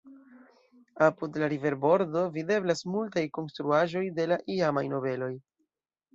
Apud la riverbordo videblas multaj konstruaĵoj de la iamaj nobeloj.